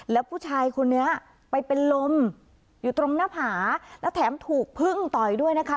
แล้วผู้ชายคนนี้ไปเป็นลมอยู่ตรงหน้าผาและแถมถูกพึ่งต่อยด้วยนะคะ